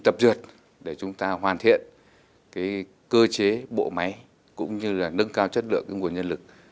tập dượt để chúng ta hoàn thiện cơ chế bộ máy cũng như là nâng cao chất lượng nguồn nhân lực